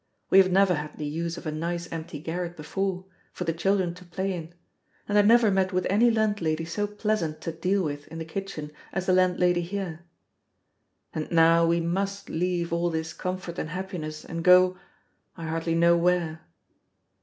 We have never had the use of a nice empty garret before, for the children to play in; and I never met with any landlady so pleasant to deal with in the kitchen as the landlady here. And now we must leave all this comfort and happiness, and go I hardly know where.